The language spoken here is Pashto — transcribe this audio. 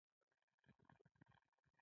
د قربانۍ څرمنې خیریه کار دی